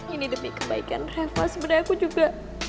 ini demi kebaikan reva sebenarnya aku juga